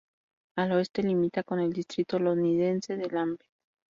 Al oeste limita con el distrito londinense de Lambeth.